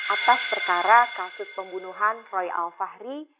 atas perkara kasus pembunuhan roy alfahri